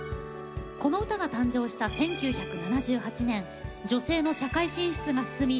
この歌が誕生した１９７８年女性の社会進出が進み